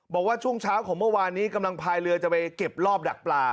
บอกว่าช่วงเช้าของเมื่อวานนี้กำลังพายเรือจะไปเก็บรอบดักปลา